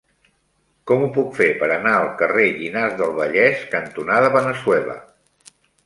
Com ho puc fer per anar al carrer Llinars del Vallès cantonada Veneçuela?